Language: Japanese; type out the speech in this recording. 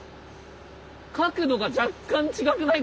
角度が若干違くない？